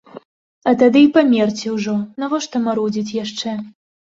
А тады й памерці ўжо, навошта марудзіць яшчэ.